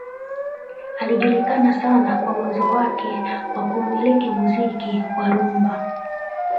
Alijulikana sana kwa uwezo wake wa kuumiliki muziki wa rumba